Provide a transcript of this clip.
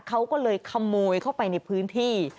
เขาก็เลยขโมยเข้าไปในพื้นที่